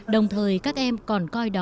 đồng thời các em còn coi đó